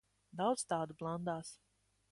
Daudz tādu blandās.